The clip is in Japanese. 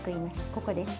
ここです